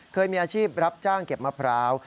เคยมีอาชีพรับจ้างเก็บมะพร้าว